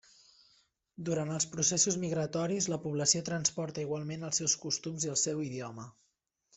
Durant els processos migratoris, la població transporta igualment els seus costums i el seu idioma.